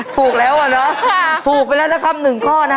ถูกแล้วอ่ะเนอะถูกไปแล้วนะครับ๑ข้อนะ